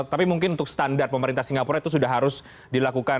tapi mungkin untuk standar pemerintah singapura itu sudah harus dilakukan